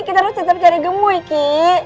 kita harus tetep cari kemoy kiki